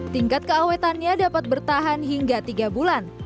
tingkat keawetannya dapat bertahan hingga tiga bulan